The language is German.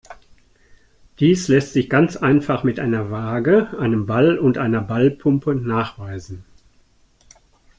Dies lässt sich ganz einfach mit einer Waage, einem Ball und einer Ballpumpe nachweisen.